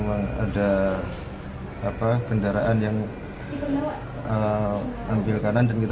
yang bapak tahu kendaraan yang menabrak itu kenapa ya oleng atau bagaimana ya